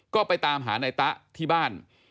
ก็ไปตามหานายตะที่บ้าน